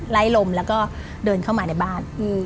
ลมแล้วก็เดินเข้ามาในบ้าน